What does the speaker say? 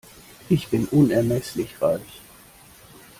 Ich bin unermesslich reich.